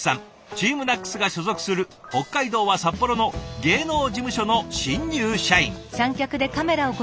ＴＥＡＭＮＡＣＳが所属する北海道は札幌の芸能事務所の新入社員。